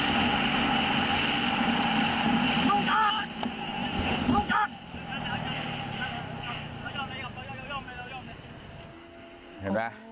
สูงชักสูงชัก